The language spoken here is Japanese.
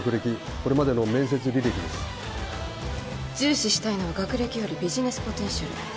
これまでの面接履歴です重視したいのは学歴よりビジネスポテンシャル